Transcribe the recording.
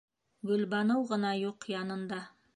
Гөлбаныуы ғына юҡ янында.